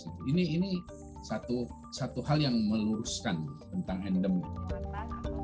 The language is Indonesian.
ini satu hal yang meluruskan tentang endemi